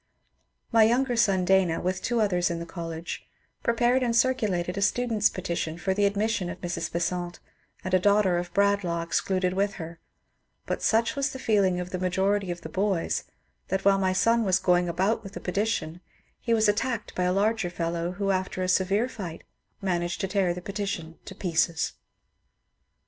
My younger son, Dana, with two others in the college, prepared and circulated a students' petition for the admission of Mrs. Besant and a daughter of Bradlaugh excluded with her, but such was the feeling of the majority of the boys that while my son was going about with the petition he was attacked by a larger fellow who, after a severe fight, managed to tear the petition to pieces.